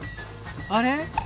あれ？